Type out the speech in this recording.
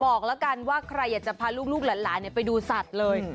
บอกแล้วกันว่าใครอยากจะพาลูกหลานไปดูสัตว์เลย